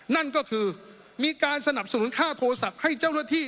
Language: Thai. นั่นก็คือมีการสนับสนุนค่าโทรศัพท์ให้เจ้าหน้าที่